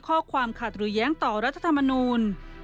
ข้อความขัดหรือแย้งต่อรัฐธรรมนูล